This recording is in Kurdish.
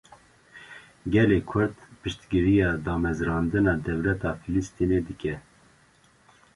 Gelê Kurd, piştgiriya damezrandina dewleta Filistînê dike